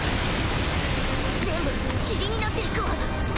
全部塵になっていくわ。